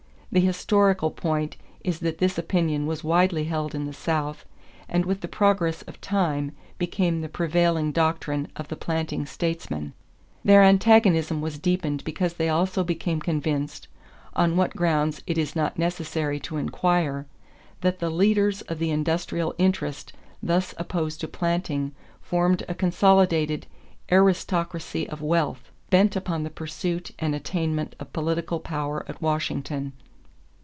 The historical point is that this opinion was widely held in the South and with the progress of time became the prevailing doctrine of the planting statesmen. Their antagonism was deepened because they also became convinced, on what grounds it is not necessary to inquire, that the leaders of the industrial interest thus opposed to planting formed a consolidated "aristocracy of wealth," bent upon the pursuit and attainment of political power at Washington.